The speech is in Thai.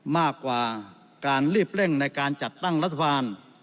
มากกว่าการรีบเร่งในการจัดตั้งรัฐบาล